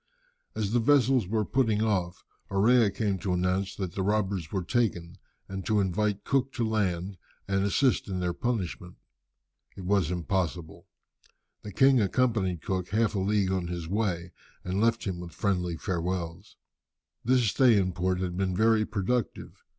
As the vessels were putting off, Orea came to announce that the robbers were taken, and to invite Cook to land and assist in their punishment. It was impossible. The king accompanied Cook half a league on his way, and left him with friendly farewells. This stay in port had been very productive.